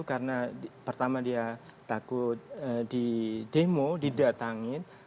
karena pertama dia takut di demo didatangi